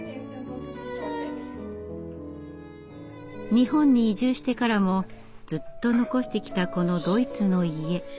日本に移住してからもずっと残してきたこのドイツの家。